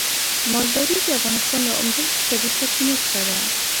مالداري د افغانستان له عمده اقتصادي سرچينو څخه ده.